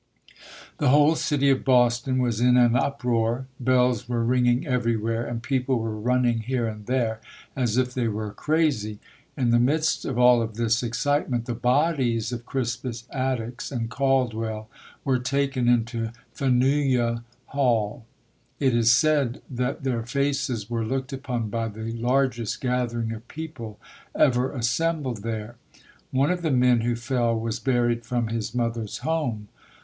The whole city of Boston was in an uproar. Bells were ringing everywhere, and people were running here and there as if they were crazy. In the midst of all of this excitement, the bodies of Crispus Attucks and Caldwell were taken into Faneuil Hall. It is said that their faces were looked upon by the largest gathering of people CRISPUS ATTUCKS [ 231 ever assembled there. One of the men who fell was buried from his mother's home.